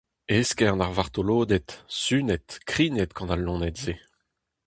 Eskern ar vartoloded, sunet, krignet gant al loened-se.